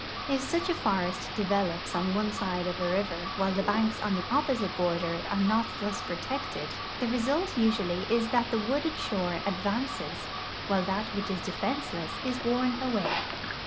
If such a forest develops on one side of a river while the banks on the oi)posite border are not thus protectee^, the result usually is THE ECONOMIC ASPECTS OF SOIL EROSION 373 that the wooded shore advances while that which is defenseless is worn away.